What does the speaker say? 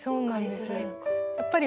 はいそうなんです。